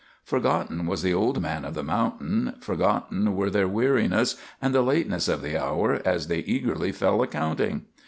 Forgotten was the old man of the mountain, forgotten were their weariness and the lateness of the hour, as they eagerly fell a counting.